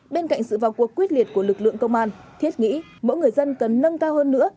bên cạnh sự vào cuộc quyết liệt của lực lượng công an thiết nghĩ mỗi người dân cần nâng cao hơn nữa